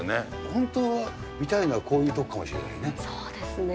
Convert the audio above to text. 本当は見たいのは、こういうところかもしれないね。